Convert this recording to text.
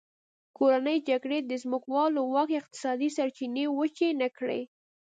کورنۍ جګړې د ځمکوالو واک یا اقتصادي سرچینې وچې نه کړې.